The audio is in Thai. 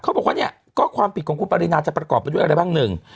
เขาบอกว่าเนี่ยก็ความผิดของคุณปรินาจะประกอบไปด้วยอะไรบ้างหนึ่ง